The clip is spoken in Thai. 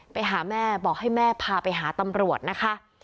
ไปหาแม่บอกให้แม่พาไปหาตำรวจนะคะ